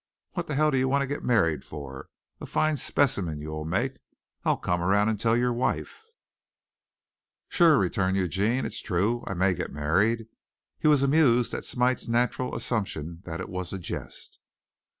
What the hell do you want to get married for? A fine specimen you will make! I'll come around and tell your wife." "Sure," returned Eugene. "It's true, I may get married." He was amused at Smite's natural assumption that it was a jest.